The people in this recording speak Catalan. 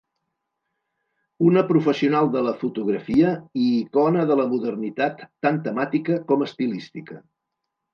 Una professional de la fotografia i icona de la modernitat tant temàtica com estilística.